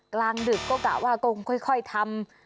กลางดึกก็กะว่าก็คงค่อยทำ